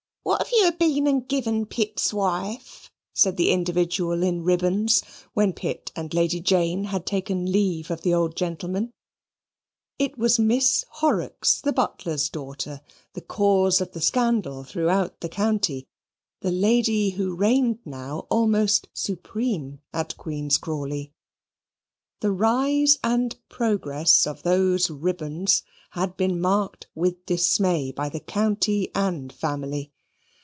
"What have you a been and given Pitt's wife?" said the individual in ribbons, when Pitt and Lady Jane had taken leave of the old gentleman. It was Miss Horrocks, the butler's daughter the cause of the scandal throughout the county the lady who reigned now almost supreme at Queen's Crawley. The rise and progress of those Ribbons had been marked with dismay by the county and family.